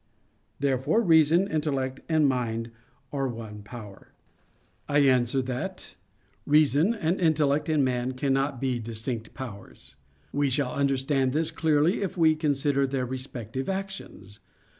Therefore, reason, intellect and mind are one power. I answer that, Reason and intellect in man cannot be distinct powers. We shall understand this clearly if we consider their respective actions.